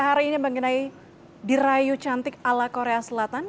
hari ini mengenai dirayu cantik ala korea selatan